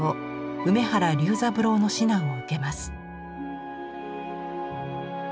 梅原龍三郎の指南を受けます。